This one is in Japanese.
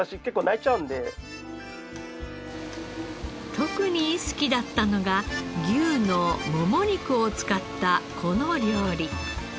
特に好きだったのが牛のモモ肉を使ったこの料理。